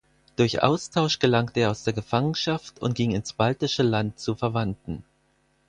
Durch Austausch gelangte er aus der Gefangenschaft und ging ins Baltische Land zu Verwandten.